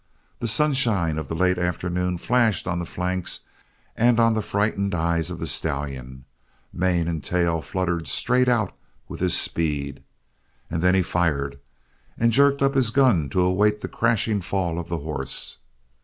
The sunshine of the late afternoon flashed on the flanks and on the frightened eyes of the stallion; mane and tail fluttered straight out with his speed; and then he fired, and jerked up his gun to await the crashing fall of the horse.